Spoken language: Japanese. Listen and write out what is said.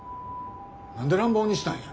何で乱暴にしたんや。